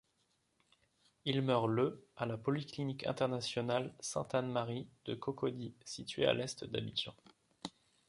Il meurt le à la Polyclinique internationale Sainte-Anne-Marie de Cocody située à l'est d'Abidjan.